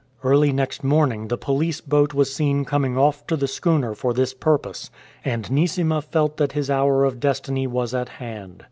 Early next morning the police boat was seen coming oiF to the schooner for this purpose ; and Neesima felt that his hour of destiny was at hand.